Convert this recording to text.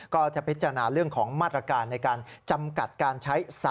ก็จะพิจารณาเรื่องของมาตรการในการจำกัดการใช้